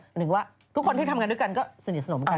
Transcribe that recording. หนึ่งว่าทุกคนที่ทำงานด้วยกันก็สนิทสนมกัน